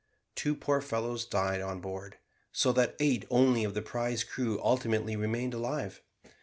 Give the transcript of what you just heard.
Two poor fellows died on board, so that eight only of the prize crew ultimately remained alive.